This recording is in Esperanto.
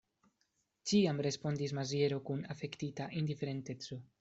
Ĉiam, respondis Maziero kun afektita indiferenteco.